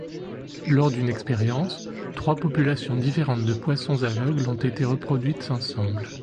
Lors d’une expérience, trois populations différentes de poissons aveugles ont été reproduites ensemble.